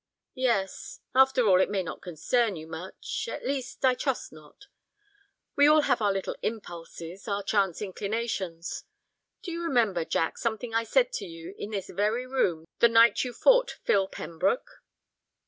"Yes. After all, it may not concern you much—at least—I trust not. We all have our little impulses, our chance inclinations. Do you remember, Jack, something I said to you in this very room the night you fought Phil Pembroke?"